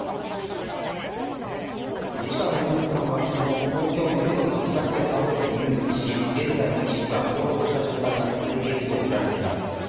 市川猿之助さんは昨日東京・目黒区の自宅で倒れて入院し現在も意識がもうろうとした状態が続いているとみられています。